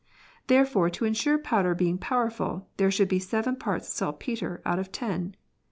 Therefore to ensure powder being powerful, there should be seven parts saltpetre out of ten.